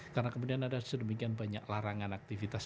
karena kemudian ada sedemikian banyak larangan aktivitas